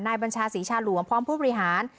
บัญชาศรีชาหลวงพร้อมผู้บริหาร